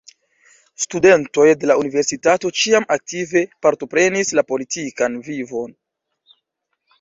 Studentoj de la universitato ĉiam aktive partoprenis la politikan vivon.